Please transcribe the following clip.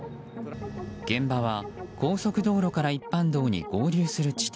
現場は高速道路から一般道に合流する地点。